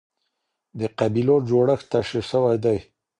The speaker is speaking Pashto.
د قبيلو جوړښت تشريح سوی دی.